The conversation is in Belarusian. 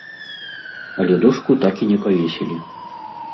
Але дошку так і не павесілі.